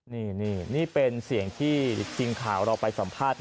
นี่นี่เป็นเสียงที่ทีมข่าวเราไปสัมภาษณ์